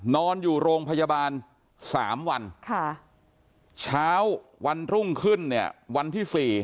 นอนอยู่โรงพยาบาล๓วันเช้าวันรุ่งขึ้นเนี่ยวันที่๔